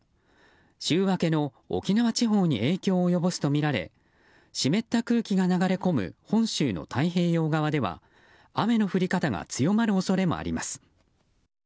週明けの沖縄地方に影響を及ぼすとみられ湿った空気が流れ込む本州の太平洋側では雨の降り方が強まる恐れもあります。